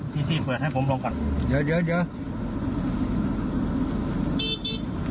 พี่พี่เปิดให้ผมลงก่อนเดี๋ยวเดี๋ยวเดี๋ยว